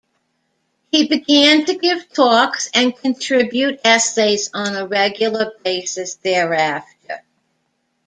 He began to give talks and contribute essays on a regular basis thereafter.